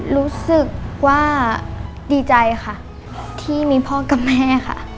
รู้สึกว่าดีใจค่ะที่มีพ่อกับแม่ค่ะ